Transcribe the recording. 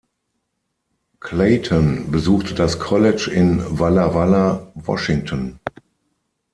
Clayton besuchte das College in Walla Walla, Washington.